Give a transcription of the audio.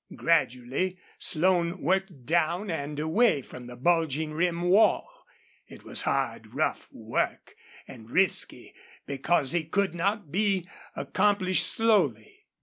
Gradually Slone worked down and away from the bulging rim wall. It was hard, rough work, and risky because it could not be accomplished slowly.